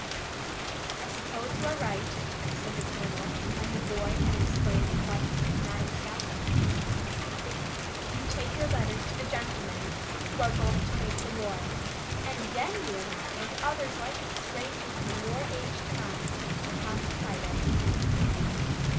"I suppose you are right," said the colonel, when the boy had explained why he could not accept. "You take your letters to the gentlemen who are going to make the war, and then you and I and others like us, ranging from your age to mine, will have to fight it."